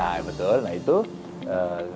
ada melandingnya betul